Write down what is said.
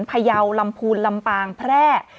พยาวลำพูนลำปางแพร่